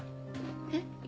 えっ？